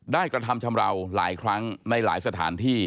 กระทำชำราวหลายครั้งในหลายสถานที่